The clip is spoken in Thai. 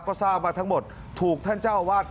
ก็ทราบว่าทั้งหมดถูกท่านเจ้าอาวาส